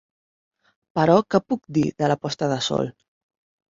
Però què puc dir de la posta de sol?